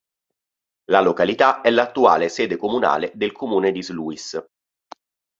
La località è l'attuale sede comunale del comune di Sluis.